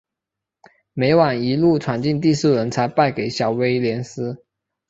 美网一路闯进第四轮才败给小威廉丝。